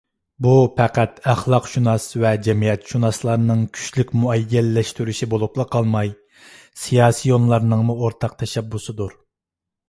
بۇ پەقەت ئەخلاقشۇناس ۋە جەمئىيەتشۇناسلارنىڭ كۈچلۈك مۇئەييەنلەشتۈرۈشى بولۇپلا قالماي سىياسىيونلارنىڭمۇ ئورتاق تەشەببۇسىدۇر.